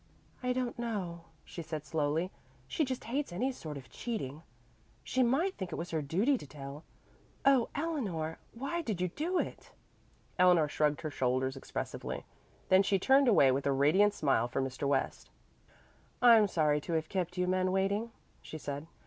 "I don't know," she said slowly. "She just hates any sort of cheating. She might think it was her duty to tell. Oh, Eleanor, why did you do it?" Eleanor shrugged her shoulders expressively. Then she turned away with a radiant smile for Mr. West. "I am sorry to have kept you men waiting," she said.